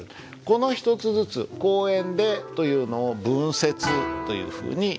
この一つずつ「公園で」というのを文節というふうにいうんですって。